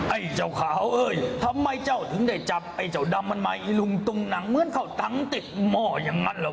ไอ้เจ้าขาวเอ้ยทำไมเจ้าถึงได้จับไอ้เจ้าดำมันมาอีลุงตุงหนังเหมือนเข้าตังค์ติดหม้ออย่างนั้นเหรอ